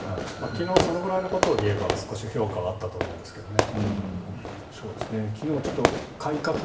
昨日そのぐらいのことを言えば少し評価はあったと思うんですけどね。